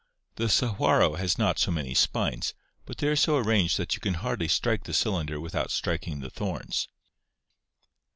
The sahuaro has not so many spines, but they are so arranged that you can hardly strike the cylinder with out striking the thorns."